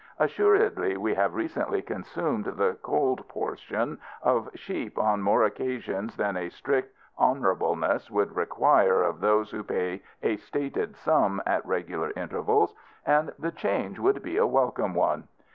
Assuredly we have recently consumed the cold portion of sheep on more occasions than a strict honourableness could require of those who pay a stated sum at regular intervals, and the change would be a welcome one.